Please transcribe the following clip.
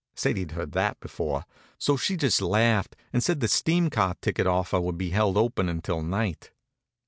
Sadie'd heard that before; so she just laughed and said the steam car ticket offer would be held open until night.